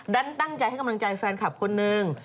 ตั้งใจให้กำลังใจแฟนคลับคนหนึ่ง